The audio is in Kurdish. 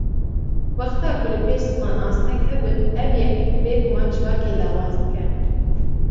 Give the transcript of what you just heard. Wexta ku li pêş ziman asteng hebin ev yek, bêguman civakê lawaz dike